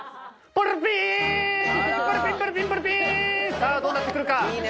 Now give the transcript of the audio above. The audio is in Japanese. さあどうなってくるか？